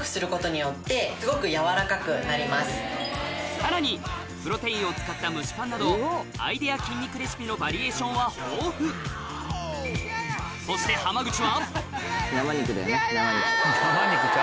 さらにプロテインを使った蒸しパンなどアイデア筋肉レシピのバリエーションは豊富そして気合だ！